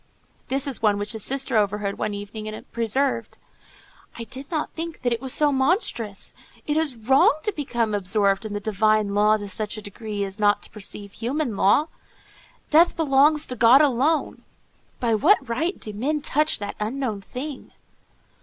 This is one which his sister overheard one evening and preserved: "I did not think that it was so monstrous. It is wrong to become absorbed in the divine law to such a degree as not to perceive human law. Death belongs to God alone. By what right do men touch that unknown thing?"